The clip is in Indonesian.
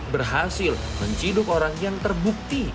berhasil menciduk orang yang terbukti